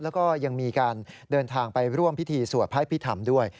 แล้วก็ยังมีการเดินทางไปร่วมพิธีสวดพระพิธรรมด้วย